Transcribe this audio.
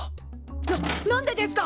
ななんでですか！？